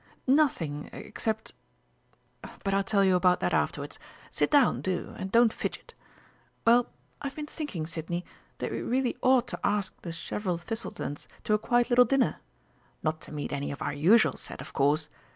"Nothing except, but I'll tell you about that afterwards. Sit down, do, and don't fidget.... Well, I've been thinking, Sidney, that we really ought to ask the Chevril Thistletons to a quiet little dinner. Not to meet any of our usual set, of course!